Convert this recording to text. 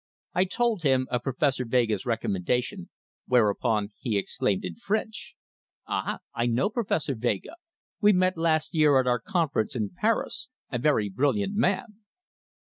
I told him of Professor Vega's recommendation, whereupon he exclaimed in French: "Ah! I know Professor Vega. We met last year at our conference in Paris a very brilliant man!"